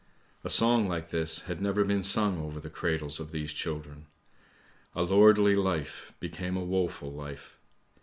A song like this had never been sung over the cradles of these children. A lordly life became a woeful life!